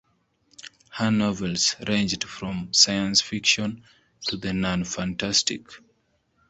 Her novels ranged from science fiction to the non fantastic.